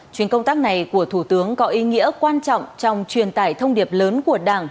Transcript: chuyến công tác này của thủ tướng có ý nghĩa quan trọng trong truyền tải thông điệp lớn của đảng